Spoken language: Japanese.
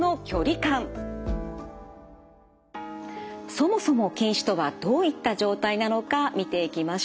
そもそも近視とはどういった状態なのか見ていきましょう。